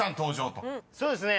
そうですね。